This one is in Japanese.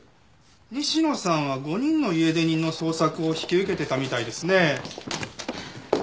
西野さんは５人の家出人の捜索を引き受けてたみたいですね。